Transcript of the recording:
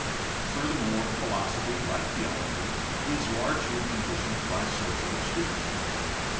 Furthermore, philosophy, like theology, is largely conditioned by social experience.